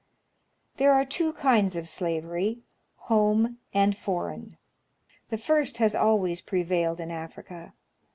There are two kinds of slavery, — home and foreign. The first has always prevailed in Africa.